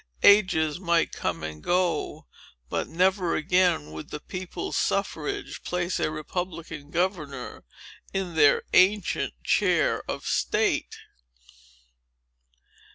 Ages might come and go, but never again would the people's suffrages place a republican governor in their ancient Chair of State!